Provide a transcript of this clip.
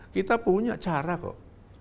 kita punya cara kok